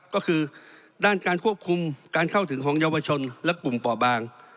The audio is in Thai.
ก็คือด้านการควบคุมการเข้าถึงของเยาวชนและกลุ่มป่อบาง